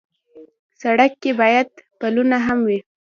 سړک کې باید پلونه هم وي.